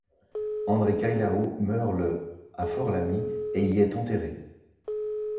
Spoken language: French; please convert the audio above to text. André Kailao meurt le à Fort-Lamy et y est enterré.